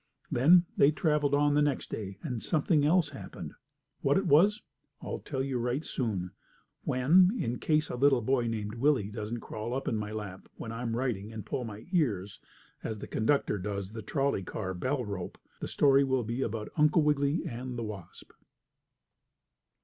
Then they traveled on the next day and something else happened. What it was I'll tell you right soon, when, in case a little boy named Willie doesn't crawl up in my lap when I'm writing and pull my ears, as the conductor does the trolley car bell rope, the story will be about Uncle Wiggily and the wasp.